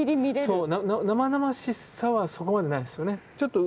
そう生々しさはそこまでないんですよね。